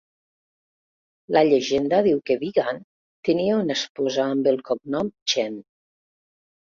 La llegenda diu que Bi Gan tenia una esposa amb el cognom Chen.